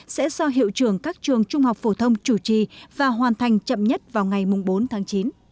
sẽ do hiệu trưởng các trường trung học phổ thông chủ trì và hoàn thành chậm nhất vào ngày bốn tháng chín